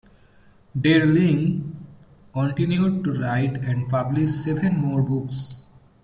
Der Ling continued to write and published seven more books.